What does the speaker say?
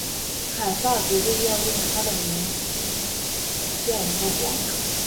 凯撒决定要用他的名兴建一个广场。